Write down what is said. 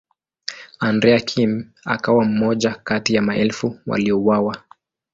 Andrea Kim akawa mmoja kati ya maelfu waliouawa.